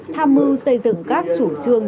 tham mưu xây dựng các chủ trương